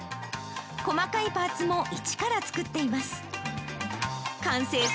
細かいパーツも一から作っています。